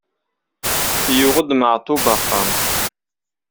Yuɣ-d Maɛṭub axxam?